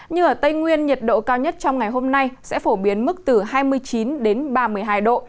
như ở tây nguyên nhiệt độ cao nhất trong ngày hôm nay sẽ phổ biến mức từ hai mươi chín đến ba mươi hai độ